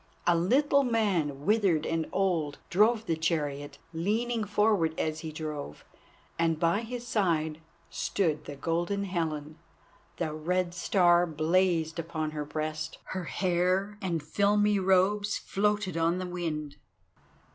A little man, withered and old, drove the chariot, leaning forward as he drove, and by his side stood the Golden Helen. The Red Star blazed upon her breast, her hair and filmy robes floated on the wind.